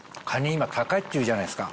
今高いっていうじゃないですか。